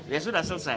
ya sudah selesai